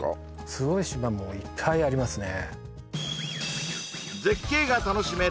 すごい島もいっぱいありますね